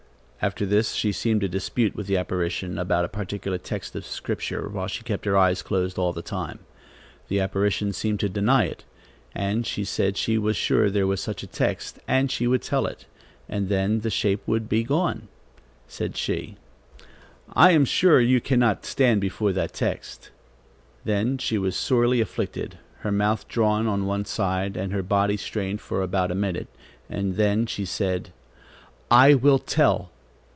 After this, she seemed to dispute with the apparition about a particular text of Scripture, while she kept her eyes closed all the time. The apparition seemed to deny it, and she said she was sure there was such a text, and she would tell it, and then the shape would be gone. Said she: "I am sure you cannot stand before that text." Then she was sorely afflicted, her mouth drawn on one side, and her body strained for about a minute, and then she said: "I will tell.